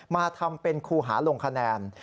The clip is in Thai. มาทำเป็นครูหาลงคะแนน